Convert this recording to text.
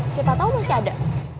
siapa tau masih ada